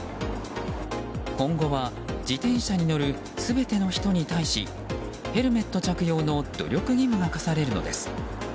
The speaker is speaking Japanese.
今後は自転車に乗る全ての人に対しヘルメット着用の努力義務が科されるのです。